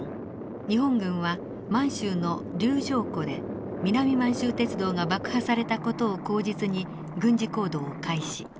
日本軍は満州の柳条湖で南満州鉄道が爆破された事を口実に軍事行動を開始。